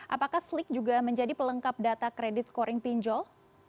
apakah slik juga menjadi pelengkap data kredit scoring pinjol